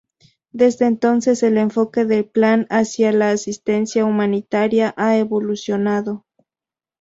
Desde entonces, el enfoque de Plan hacia la asistencia humanitaria ha evolucionado.